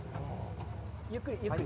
ゆっくり、ゆっくり。